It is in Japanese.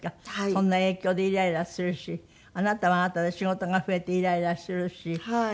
そんな影響でイライラするしあなたはあなたで仕事が増えてイライラするしなんか。